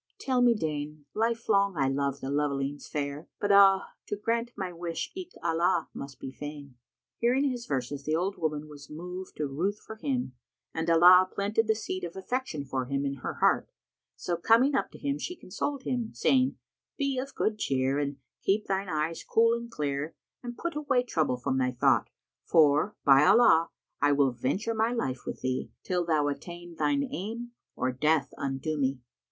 Tell me deign! Life long I loved the lovelings fair, but ah, * To grant my wish eke Allah must be fain!" Hearing his verses the old woman was moved to ruth for him and Allah planted the seed of affection for him in her heart; so coming up to him she consoled him, saying, "Be of good cheer and keep thine eyes cool and clear and put away trouble from thy thought, for, by Allah, I will venture my life with thee, till thou attain thine aim or death undo me!"